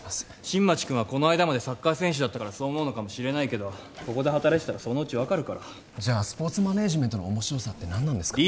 新町君はこの間までサッカー選手だったからそう思うのかもしれないけどここで働いてたらそのうち分かるからじゃあスポーツマネージメントの面白さって何なんですか？